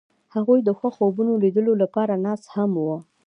هغوی د خوښ خوبونو د لیدلو لپاره ناست هم وو.